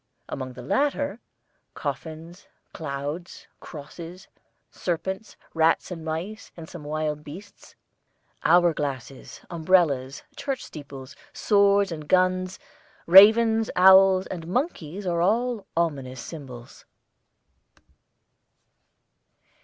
Among the latter, coffins, clouds, crosses, serpents, rats and mice and some wild beasts, hour glasses, umbrellas, church steeples, swords and guns, ravens, owls, and monkeys are all ominous symbols.